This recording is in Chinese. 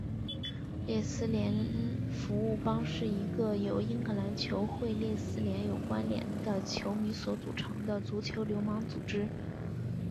列斯联服务帮是一个由英格兰球会列斯联有关连的球迷所组成的足球流氓组织。